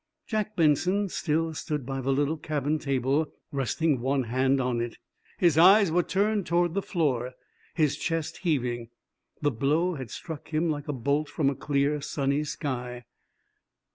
Jack Benson still stood by the little cabin table, resting one hand on it. His eyes were turned toward the floor, his chest heaving. The blow had struck him like a bolt from a clear, sunny sky!